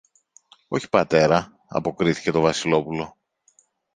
Όχι, πατέρα, αποκρίθηκε το Βασιλόπουλο.